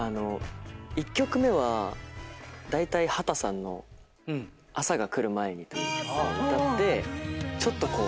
１曲目はだいたい秦さんの『朝が来る前に』という曲を歌ってちょっとこう。